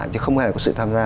chứ không hề có sự tham gia